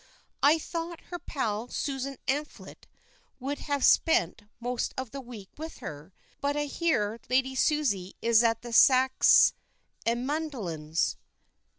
I thought her pal, Susan Amphlett, would have spent most of the week with her, but I hear Lady Susie is at the Saxemundhams'."